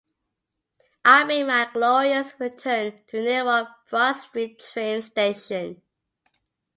I make my glorious return to Newark Broad Street train station.